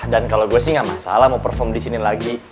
dan kalau gue sih gak masalah mau perform di sini lagi